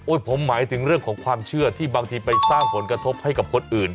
ผมหมายถึงเรื่องของความเชื่อที่บางทีไปสร้างผลกระทบให้กับคนอื่น